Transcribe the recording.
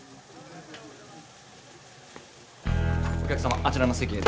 お客様あちらの席へ。